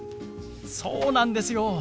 そうなんですよ。